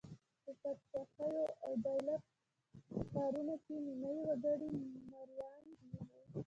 په پاچاهیو او دولت ښارونو کې نیمايي وګړي مریان وو.